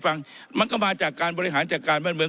ฟังมันก็มาจากการบริหารจัดการบ้านเมือง